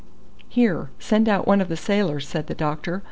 "Here, send out one of the sailors," said the doctor.